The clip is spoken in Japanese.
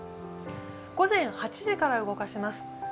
午前８時から動かします。